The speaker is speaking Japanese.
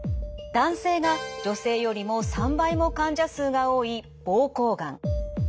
男性が女性よりも３倍も患者数が多い膀胱がん。